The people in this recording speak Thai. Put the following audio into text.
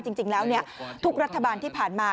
จริงแล้วทุกรัฐบาลที่ผ่านมา